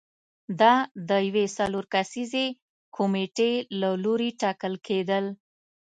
دا د یوې څلور کسیزې کمېټې له لوري ټاکل کېدل